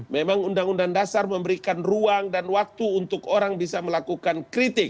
memang undang undang dasar memberikan ruang dan waktu untuk orang bisa melakukan kritik